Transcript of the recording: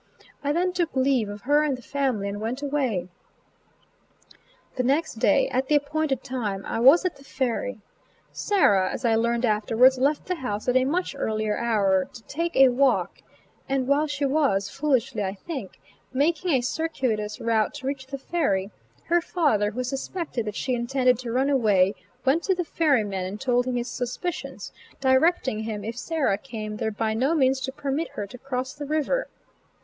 I then took leave of her and the family and went away. The next day, at the appointed time, I was at the ferry Sarah, as I learned afterwards, left the house at a much earlier hour to "take a walk" and while she was, foolishly I think, making a circuitous route to reach the ferry, her father, who suspected that she intended to run away, went to the ferryman and told him his suspicions, directing him if Sarah came there by no means to permit her to cross the river.